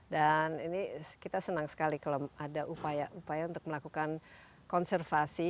dan ini kita senang sekali kalau ada upaya untuk melakukan konservasi